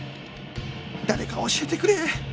誰か教えてくれ！